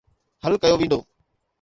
حل ڪيو ويندو.